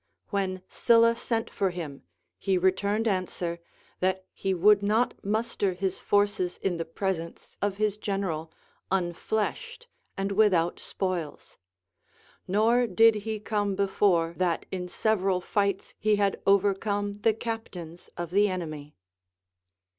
AVhen Sylla sent for him, he returned ansAver, that he would not muster his forces in the presence of his general, unfleshed and Avithout spoils ; nor did he come before that in seA^eral fights he had overcome the captains of the enemy.